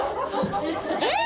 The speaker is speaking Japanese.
えっ！